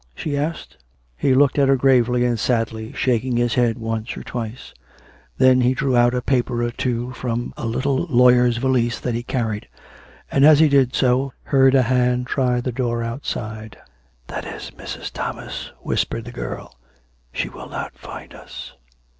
''" she asked. He looked at her gravely and sadly, shaking his head once or twice. Then he drew out a paper or two from a little lawyer's valise that he carried, and, as he did so, heard a hand try the door outside. " That is Mrs. Thomas," whisrpered the girl. " She will not find us."